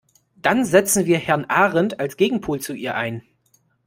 Dann setzen wir Herrn Ahrendt als Gegenpol zu ihr ein.